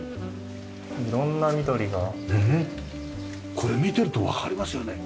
これ見てるとわかりますよね。